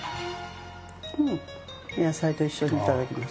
うん野菜と一緒にいただきます。